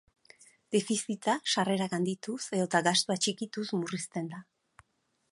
Defizita sarrerak handituz edota gastua txikituz murrizten da.